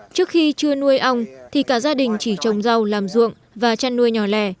trước khi chưa nuôi ông thì cả gia đình chỉ trồng rau làm ruộng và chăn nuôi nhỏ